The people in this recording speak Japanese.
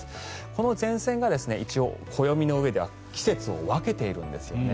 この前線が一応、暦のうえでは季節を分けているんですよね。